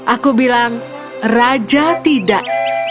aku bilang raja tidak